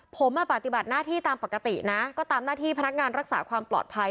ผมปฏิบัติหน้าที่ตามปกตินะก็ตามหน้าที่พนักงานรักษาความปลอดภัย